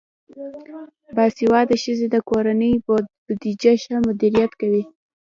باسواده ښځې د کورنۍ بودیجه ښه مدیریت کوي.